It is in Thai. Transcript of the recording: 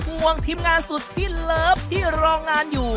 มองทีมงานสุดที่รอบที่รองงานอยู่